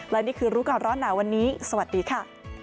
และนี่คือรู้ก่อนร้อนหนาวันนี้สวัสดีค่ะ